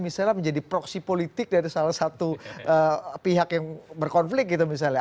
misalnya menjadi proksi politik dari salah satu pihak yang berkonflik gitu misalnya